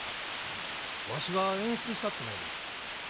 わしが演出したってもええで。